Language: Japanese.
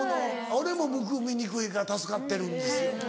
俺もむくみにくいから助かってるんですよ。